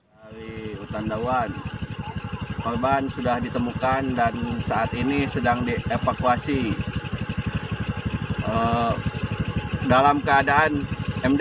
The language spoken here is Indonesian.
dari hutan dawan korban sudah ditemukan dan saat ini sedang dievakuasi dalam keadaan md